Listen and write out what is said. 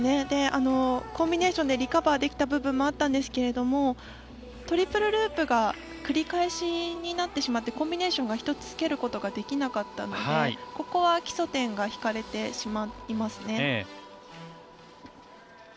コンビネーションでリカバーできた部分もあったんですけれどもトリプルループが繰り返しになってしまってコンビネーションが１つつけることができなかったのでここは基礎点が引かれてしまいますね。